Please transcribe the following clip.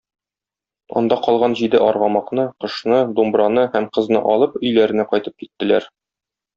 Анда калган җиде аргамакны, кошны, думбраны һәм кызны алып, өйләренә кайтып киттеләр.